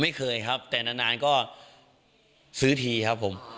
ไม่เคยครับแต่นานก็ซื้อทีครับผม